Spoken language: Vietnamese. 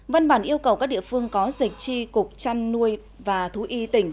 văn bản yêu cầu các địa phương có dịch tri cục chăn nuôi và thú y tỉnh